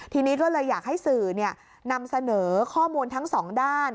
ทีนี้ก็เลยอยากให้สื่อนำเสนอข้อมูลทั้งสองด้าน